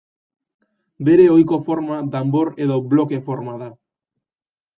Bere ohiko forma danbor edo bloke forma da.